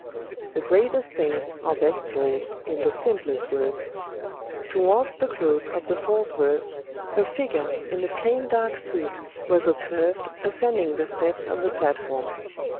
The greatest things are best told in the simplest words. "Towards the close of the fourth verse, a figure in a plain dark suit was observed ascending the steps of the platform.